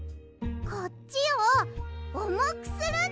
こっちをおもくするんだ！